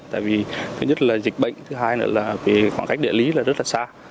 tại vì thứ nhất là dịch bệnh thứ hai là khoảng cách địa lý rất là xa